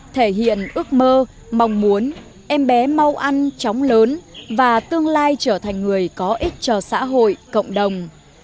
thể hiện ước mơ mong muốn em bé mau ăn chóng lớn và tương lai trở thành người có ích cho xã hội cộng đồng